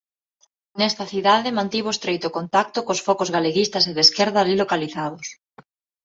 Nesta cidade mantivo estreito contacto cos focos galeguistas e de esquerda alí localizados.